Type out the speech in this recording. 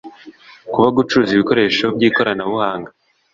kuba gucuruza ibikoresho by ikoranabuhanga